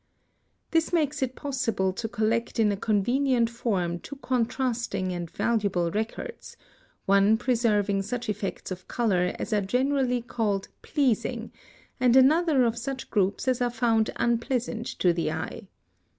(145) This makes it possible to collect in a convenient form two contrasting and valuable records, one preserving such effects of color as are generally called pleasing, and another of such groups as are found unpleasant to the eye.